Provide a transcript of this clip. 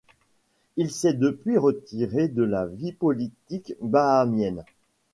Il s'est depuis retiré de la vie politique bahamienne.